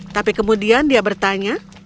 tapi kemudian dia bertanya